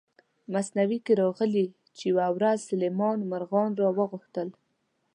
مثنوي کې راغلي چې یوه ورځ سلیمان مارغان را وغوښتل.